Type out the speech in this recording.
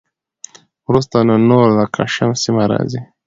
وروسته نو نور د کشم سیمه راخي